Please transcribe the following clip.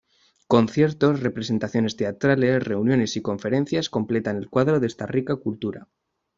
Conciertos, representaciones teatrales, reuniones y conferencias completan el cuadro de esta rica cultura.